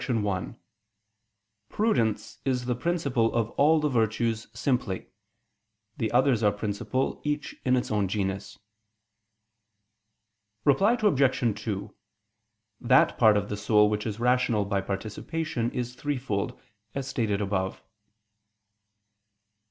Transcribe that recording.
1: Prudence is the principal of all the virtues simply. The others are principal, each in its own genus. Reply Obj. 2: That part of the soul which is rational by participation is threefold, as stated above.